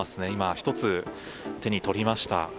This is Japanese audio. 今、１つ手に取りました。